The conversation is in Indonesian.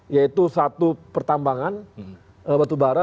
yaitu satu pertambangan batu bara